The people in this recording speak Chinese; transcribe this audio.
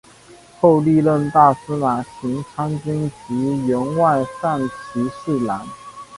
后历任大司马行参军及员外散骑侍郎。